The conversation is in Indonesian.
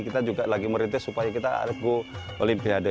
kita juga lagi merites supaya kita harus go olimpiade